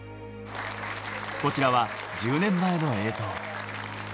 こちらは１０年前の映像。